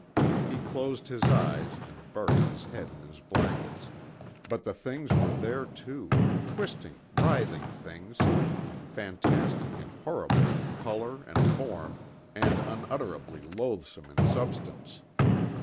He closed his eyes, and buried his head in his blankets, but the things were there too twisting, writhing things, fantastic and horrible in color, and form, and unutterably loathsome in substance.